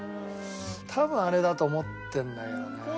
多分あれだと思ってるんだけどね。